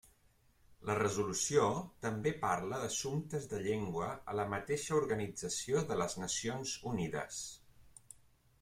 La resolució també parla d'assumptes de llengua a la mateixa Organització de les Nacions Unides.